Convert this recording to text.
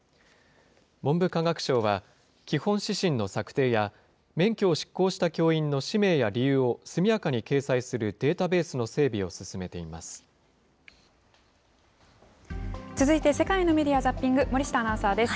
文部科学省は、基本指針の策定や、免許を失効した教員の氏名や理由を速やかに掲載するデータベース続いて世界のメディア・ザッピング、森下アナウンサーです。